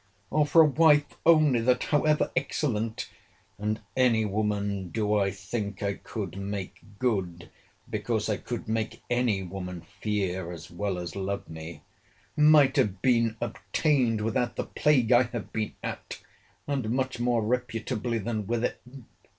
Or for a wife only, that, however excellent, [and any woman, do I think I could make good, because I could make any woman fear as well as love me,] might have been obtained without the plague I have been at, and much more reputably than with it?